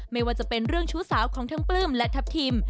ไม่ว่าจะเป็นเรื่องชู้สาวของทั้งปลื้มและทัพทิม